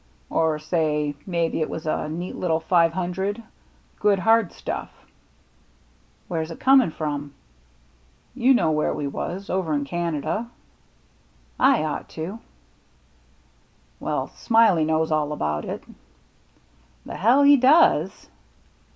"Or say maybe it was a neat little five hundred — good hard stuflF." " Where's it comin' from ?"" You know where we was — over in Canada ?'* 136 THE MERRT ANNE " I ought to." " Well, Smiley knows all about that." " The he does